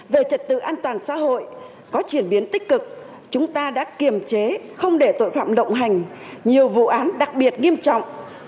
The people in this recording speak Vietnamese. về trật tự an toàn xã hội có chuyển biến tích cực chúng ta đã kiềm chế không để tội phạm lộng hành nhiều vụ án đặc biệt nghiêm trọng